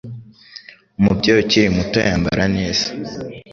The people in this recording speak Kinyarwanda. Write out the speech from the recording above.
Umubyeyi ukiri muto yambara neza.